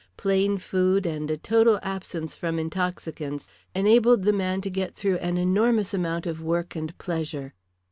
Plain food and a total absence from intoxicants enabled the man to get through an enormous amount of work and pleasure.